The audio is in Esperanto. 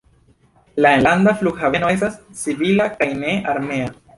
La enlanda flughaveno estas civila kaj ne armea.